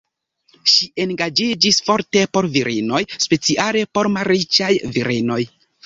Ŝi engaĝiĝis forte por virinoj, speciale por malriĉaj virinoj.